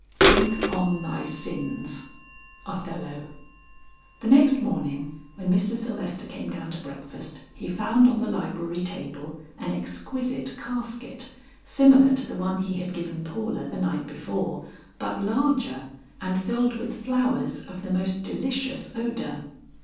"Think on thy sins." OTHELLO. The next morning when Mr. Sylvester came down to breakfast, he found on the library table an exquisite casket, similar to the one he had given Paula the night before, but larger, and filled with flowers of the most delicious odor.